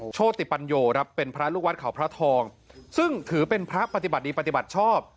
โชติปัญโยครับเป็นพระลูกวัดเขาพระทองซึ่งถือเป็นพระปฏิบัติดีปฏิบัติชอบ